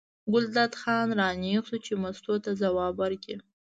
ګلداد خان را نېغ شو چې مستو ته ځواب ورکړي.